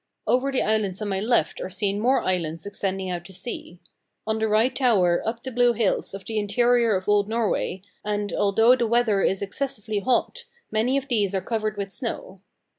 Over the islands on my left are seen more islands extending out to sea. On the right tower up the blue hills of the interior of old Norway, and, although the weather is excessively hot, many of these are covered with snow.